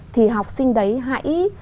thì học sinh đấy hãy